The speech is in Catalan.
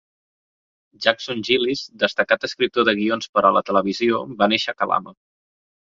Jackson Gillis, destacat escriptor de guions per a la televisió, va néixer a Kalama.